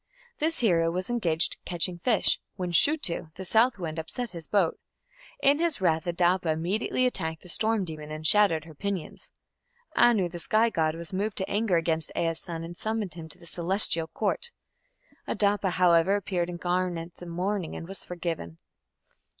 This hero was engaged catching fish, when Shutu, the south wind, upset his boat. In his wrath Adapa immediately attacked the storm demon and shattered her pinions. Anu, the sky god, was moved to anger against Ea's son and summoned him to the Celestial Court. Adapa, however, appeared in garments of mourning and was forgiven.